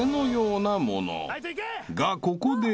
［がここで］